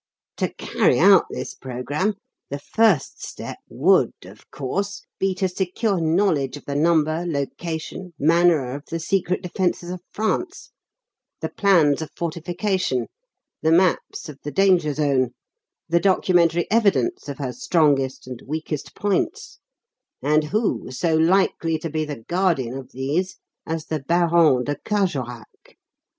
To carry out this programme, the first step would, of course, be to secure knowledge of the number, location, manner of the secret defences of France the plans of fortification, the maps of the 'danger zone,' the documentary evidence of her strongest and weakest points and who so likely to be the guardian of these as the Baron de Carjorac?